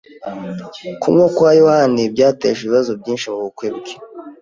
Kunywa kwa yohani byateje ibibazo byinshi mubukwe bwe.